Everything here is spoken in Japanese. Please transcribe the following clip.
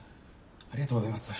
ありがとうございます。